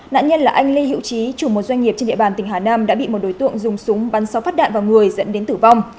nạn nhân là anh lê hiệu trí chủ một doanh nghiệp trên địa bàn tỉnh hà nam đã bị một đối tượng dùng súng bắn sáu phát đạn vào người dẫn đến tử vong